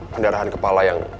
pendarahan kepala yang